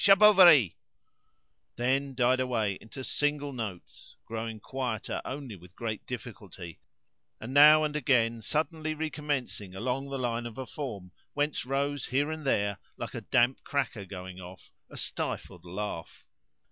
Charbovari"), then died away into single notes, growing quieter only with great difficulty, and now and again suddenly recommencing along the line of a form whence rose here and there, like a damp cracker going off, a stifled laugh.